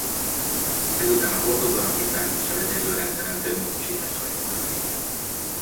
Ezután a hordozórakétán és a vezérlőrendszeren több módosítást hajtottak végre.